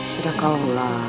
sudah kau lah